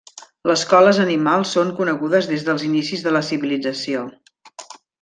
Les coles animals són conegudes des dels inicis de la civilització.